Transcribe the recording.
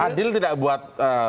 adil tidak buat